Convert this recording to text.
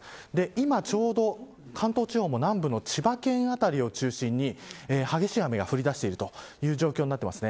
今ちょうど関東地方も南部の千葉県辺りを中心に激しい雨が降り出しているという状況になっています。